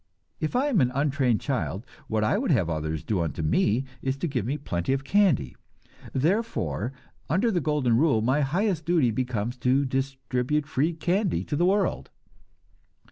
If I am an untrained child, what I would have others do unto me is to give me plenty of candy; therefore, under the golden rule, my highest duty becomes to distribute free candy to the world.